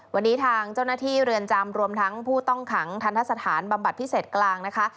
วันนี้ทางเจ้าหน้าที่เรือนจำรวมทั้งผู้ต้องขังทันทะสถานบำบัดพิเศษกลางนะคะ